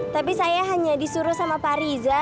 tapi saya hanya disuruh sama pak riza